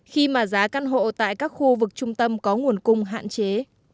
khi mà giá căn hộ tại các khu vực trung tâm có nguồn cung hạn chế